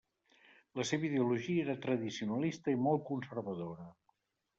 La seva ideologia era tradicionalista i molt conservadora.